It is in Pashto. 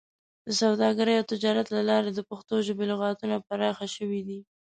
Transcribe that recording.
د سوداګرۍ او تجارت له لارې د پښتو ژبې لغتونه پراخه شوي دي.